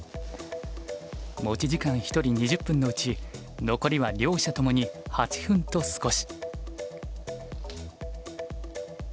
持ち時間１人２０分のうち残りは両者ともに８分と少し。